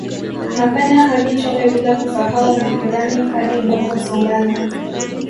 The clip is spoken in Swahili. Makanya hadi Chome bila kusahau Mpirani hadi Bombo Songana